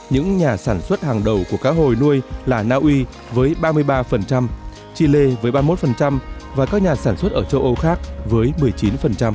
những nhà sản xuất hàng đầu của cá hồi nuôi là naui với ba mươi ba chile với ba mươi một và các nhà sản xuất ở châu âu khác với một mươi chín